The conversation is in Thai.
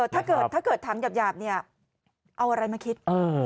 ถ้าเกิดถามหยาบเนี่ยเอาอะไรมาคิด